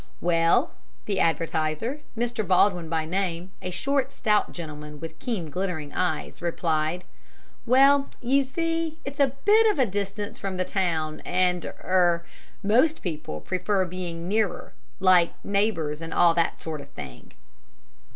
"Well," the advertiser Mr. Baldwin by name, a short, stout gentleman, with keen, glittering eyes replied, "Well, you see, it's a bit of a distance from the town, and er most people prefer being nearer like neighbours and all that sort of thing."